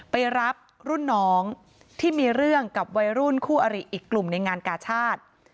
ไปรับรุ่นน้องที่มีเรื่องกับวัยรุ่นคู่อริอีกกลุ่มในงานกาชาติ